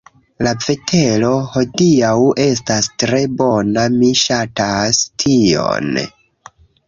La vetero hodiaŭ estas tre bona mi ŝatas tion